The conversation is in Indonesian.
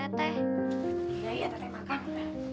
iya iya teteh makan